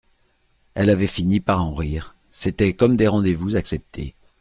Elle avait fini par en rire, c'étaient comme des rendez-vous acceptés.